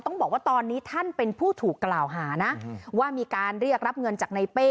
ต้องบอกว่าตอนนี้ท่านเป็นผู้ถูกกล่าวหานะว่ามีการเรียกรับเงินจากในเป้